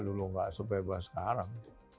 dulu enggak sebebas sekarang